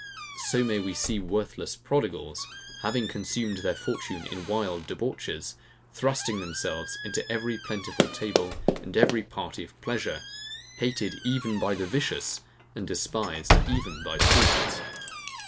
So may we see worthless prodigals, having consumed their fortune in wild debauches, thrusting themselves into every plentiful table, and every party of pleasure, hated even by the vicious, and despised even by fools.